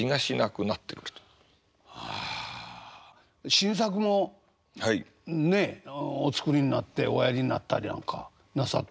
新作もねえお作りになっておやりになったりなんかなさって。